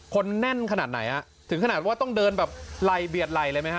คนแน่นขนาดไหนฮะถึงขนาดว่าต้องเดินแบบไหล่เบียดไหล่เลยไหมฮ